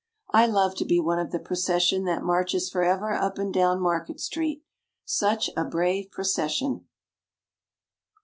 I love to be one of the procession that marches forever up and down Market street, such a brave procession.